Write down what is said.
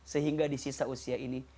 sehingga di sisa usia ini